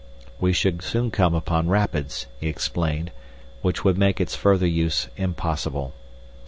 We should soon come upon rapids, he explained, which would make its further use impossible.